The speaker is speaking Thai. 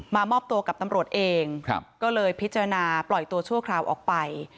มอบตัวกับตำรวจเองก็เลยพิจารณาปล่อยตัวชั่วคราวออกไป